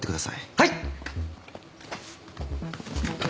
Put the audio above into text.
はい！